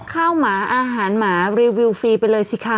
หมาอาหารหมารีวิวฟรีไปเลยสิคะ